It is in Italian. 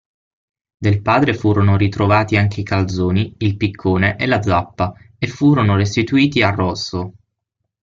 Del padre furono ritrovati anche i calzoni, il piccone e la zappa, e furono restituiti a Rosso.